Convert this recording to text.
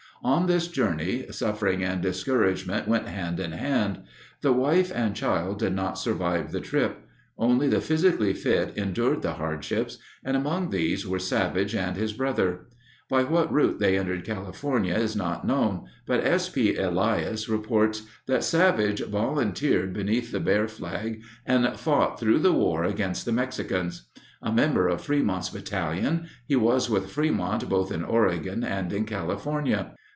On this journey, "suffering and discouragement went hand in hand." The wife and child did not survive the trip. Only the physically fit endured the hardships, and among these were Savage and his brother. By what route they entered California is not known, but S. P. Elias reports that Savage volunteered beneath the Bear flag and fought through the war against the Mexicans. A member of Frémont's battalion, he was with Frémont both in Oregon and in California.